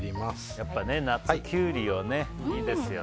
やっぱり夏キュウリいいですよね。